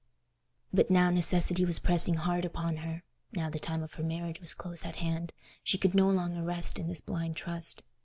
But now necessity was pressing hard upon her—now the time of her marriage was close at hand—she could no longer rest in this blind trust.